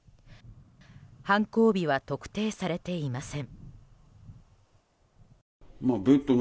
犯行日は特定されていません。